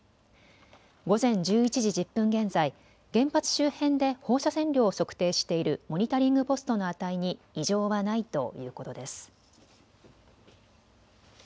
午前１１時１０分現在、原発周辺で放射線量を測定しているモニタリングポストの値に異常はないということです。